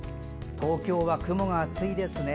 東京は雲が厚いですね。